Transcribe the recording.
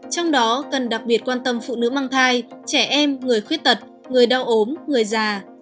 trong đó cần đặc biệt quan tâm phụ nữ mang thai trẻ em người khuyết tật người đau ốm người già